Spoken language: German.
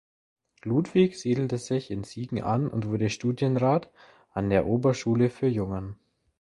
Ludwig siedelte sich in Siegen an und wurde Studienrat an der Oberschule für Jungen.